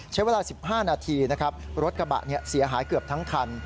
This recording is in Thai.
ใช้เวลา๑๕นาทีนะครับรถกระบะเสียหายเกือบทั้งคัน